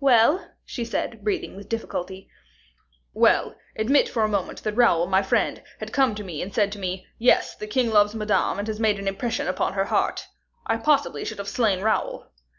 "Well?" she said, breathing with difficulty. "Well; admit for a moment that Raoul, my friend, had come and said to me, 'Yes, the king loves Madame, and has made an impression upon her heart,' I possibly should have slain Raoul."